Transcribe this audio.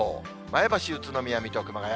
前橋、宇都宮、水戸、熊谷。